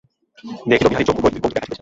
দেখিল, বিহারীর চক্ষু কৌতুকে হাসিতেছে।